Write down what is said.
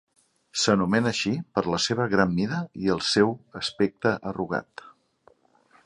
S'anomena així per la seva gran mida i el seu aspecte arrugat.